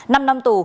năm năm tù